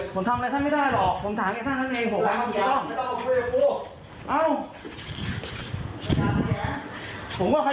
ผมทำไม่ได้หรอกผมถามจะไห้ก็ได้ไม่ต้องการคุยกับผม